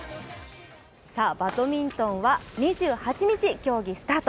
バドミントンは２８日、競技スタート。